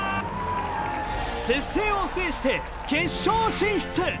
接戦を制して決勝進出。